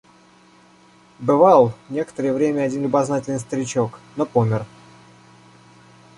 Бывал некоторое время один любознательный старичок, но помер.